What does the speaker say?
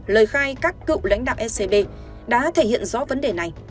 lời khai các cựu lãnh đạo ecb đã thể hiện rõ vấn đề này